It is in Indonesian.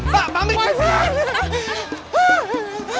saya mudik dulu